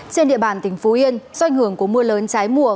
trên địa bàn tỉnh phú yên do ảnh hưởng của mưa lớn trái mùa